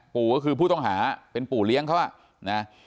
ปู่ก็คือผู้ต้องหาเป็นปู่เลี้ยงเขาอ่ะนะ